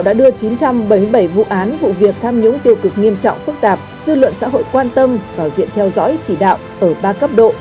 đã đưa chín trăm bảy mươi bảy vụ án vụ việc tham nhũng tiêu cực nghiêm trọng phức tạp dư luận xã hội quan tâm vào diện theo dõi chỉ đạo ở ba cấp độ